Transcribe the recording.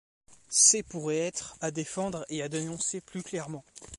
Ces pourraient être à défendre et à dénoncer plus clairement.